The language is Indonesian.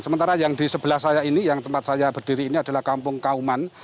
sementara yang di sebelah saya ini yang tempat saya berdiri ini adalah kampung kauman